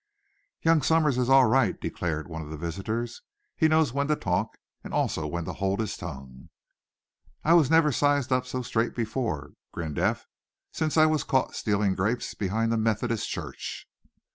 "Young Somers is all right," declared one of the visitors. "He knows when to talk, and also when to hold his tongue." "I never was sized up so straight before," grinned Eph, "since I was caught stealing grapes behind the Methodist church."